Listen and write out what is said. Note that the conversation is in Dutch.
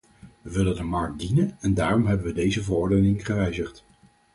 We willen de markt dienen en daarom hebben we deze verordening gewijzigd.